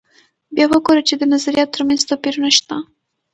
بیا وګورو چې د نظریاتو تر منځ توپیرونه شته.